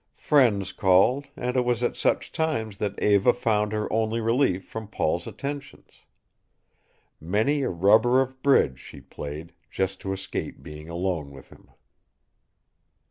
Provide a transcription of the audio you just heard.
Friends called, and it was at such times that Eva found her only relief from Paul's attentions. Many a rubber of bridge she played just to escape being alone with him.